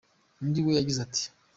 Undi we yagize ati: